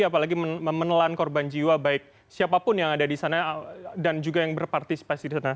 apalagi memenelan korban jiwa baik siapapun yang ada di sana dan juga yang berpartisipasi di sana